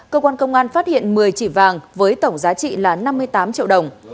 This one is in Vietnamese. cơ quan công an phát hiện một mươi chỉ vàng với tổng giá trị là năm mươi tám triệu đồng